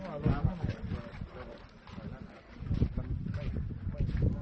ไม่ได้ทำอะไรผิดครับ